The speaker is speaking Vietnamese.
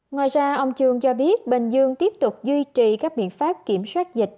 ngoài ra ông chương cho biết bình dương tiếp tục duy trì các biện pháp kiểm soát dịch